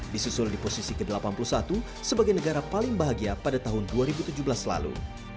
disusul di posisi ke delapan puluh satu sebagai negara paling bahagia pada tahun dua ribu tujuh belas lalu